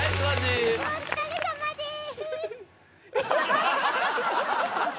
お疲れさまでーす。